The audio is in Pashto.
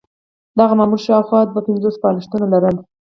دغه مامور شاوخوا دوه پنځوس بالښتونه لرل.